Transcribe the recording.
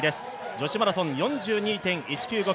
女子マラソン、４２．１９５